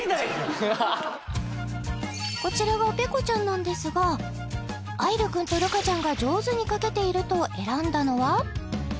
こちらがペコちゃんなんですが愛流君と瑠香ちゃんが上手に描けていると選んだのは？